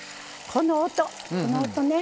この音ね。